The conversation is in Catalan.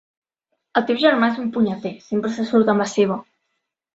El teu germà és un punyeter, sempre se surt amb la seva.